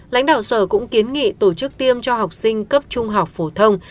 lãnh đạo sở cũng kiến nghị tổ chức tiêm cho học sinh cấp trung học phổ thông